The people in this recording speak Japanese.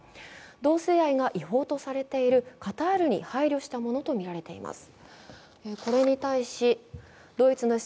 同性愛が違法とされているカタールに配慮したものとみられています。